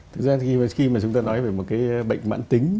thực ra khi mà chúng ta nói về một cái bệnh mạn tính